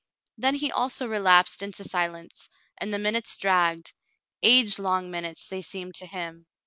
Then he also relapsed into silence, and the minutes dragged — age long minutes, they seemed to him.